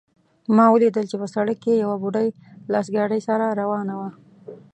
ما ولیدل چې په سړک کې یوه بوډۍ لاس ګاډۍ سره روانه وه